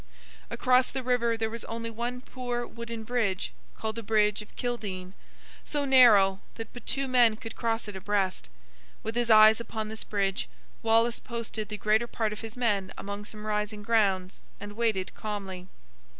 Across the river there was only one poor wooden bridge, called the bridge of Kildean—so narrow, that but two men could cross it abreast. With his eyes upon this bridge, Wallace posted the greater part of his men among some rising grounds, and waited calmly.